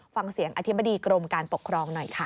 ฟังเสียงอธิบดีกรมการปกครองหน่อยค่ะ